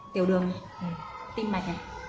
tiểu đường này tim mạch này